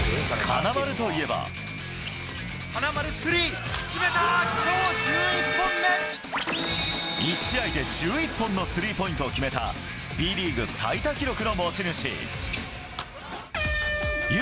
金丸、１試合で１１本のスリーポイントを決めた、Ｂリーグ最多記録の持ち主。